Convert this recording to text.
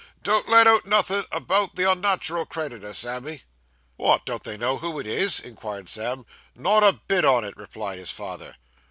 'Don't let out nothin' about the unnat'ral creditor, Sammy.' 'Wot, don't they know who it is?' inquired Sam. 'Not a bit on it,' replied his father.